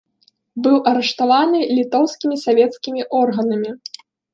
Быў арыштаваны літоўскімі савецкімі органамі.